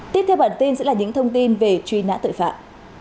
tiếp theo bản tin sẽ là những thông tin về truy nã tội phạm